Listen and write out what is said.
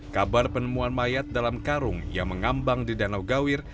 kabar penemuan mayat dalam karung yang mengambang di danau gawir